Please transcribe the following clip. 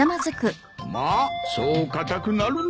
まあそう硬くなるな。